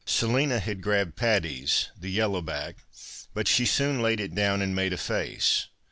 Selina had grabbed Patty's, the yellow back, but she soon laid it down, and made a face.